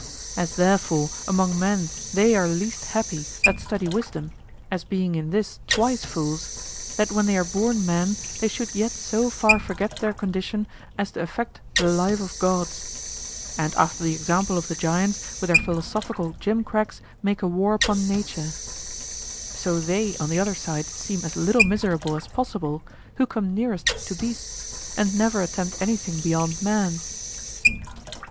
As therefore among men they are least happy that study wisdom, as being in this twice fools, that when they are born men, they should yet so far forget their condition as to affect the life of gods; and after the example of the giants, with their philosophical gimcracks make a war upon nature: so they on the other side seem as little miserable as is possible who come nearest to beasts and never attempt anything beyond man.